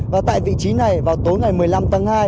và tại vị trí này vào tối ngày một mươi năm tháng hai